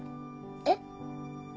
えっ？